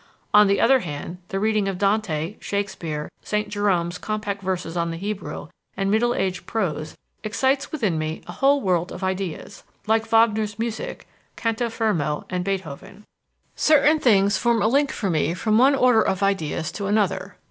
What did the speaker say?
On the other hand, the reading of Dante, Shakespeare, St. Jerome's compact verses on the Hebrew, and Middle Age prose excites within me a whole world of ideas, like Wagner's music, canto fermo, and Beethoven. Certain things form a link for me from one order of ideas to another.